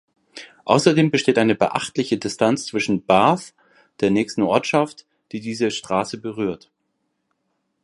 Außerdem besteht eine beachtliche Distanz zwischen Bath, der nächsten Ortschaft, die diese Straße berührt.